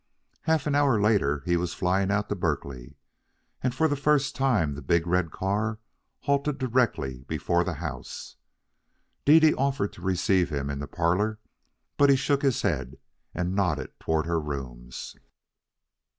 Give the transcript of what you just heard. Half an hour later he was flying out to Berkeley. And for the first time the big red car halted directly before the house. Dede offered to receive him in the parlor, but he shook his head and nodded toward her rooms.